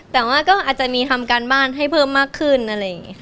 แต่ว่าก็อาจจะมีทำการบ้านให้เพิ่มมากขึ้นอะไรอย่างนี้ค่ะ